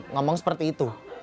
ngomong seperti itu